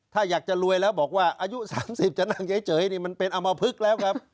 ถ้าอยากจะรวยแล้วบอกว่าอายุ๓๐จะนั่งเฉยนี่มันเป็นอมพลึกแล้วครับ